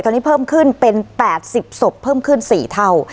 ตอนนี้เพิ่มขึ้นเป็น๘๐ศพเพิ่มขึ้น๔เท่า